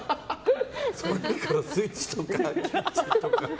さっきからスイッチとかキッチンとか。